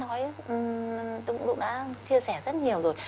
tôi cũng đã chia sẻ rất nhiều rồi